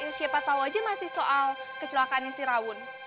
ya siapa tau aja masih soal kecelakaannya si rawun